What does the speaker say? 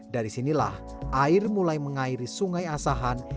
dari sinilah air mulai mengairi sungai asahan